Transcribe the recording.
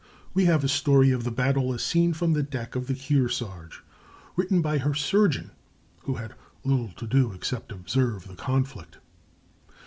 We have a story of the battle as seen from the deck of the Kearsarge, written by her surgeon, who had little to do except observe the conflict.